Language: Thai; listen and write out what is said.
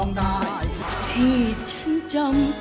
รูปสุดงามสมสังคมเครื่องใครแต่หน้าเสียดายใจทดสกัน